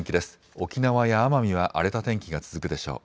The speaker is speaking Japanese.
沖縄や奄美は荒れた天気が続くでしょう。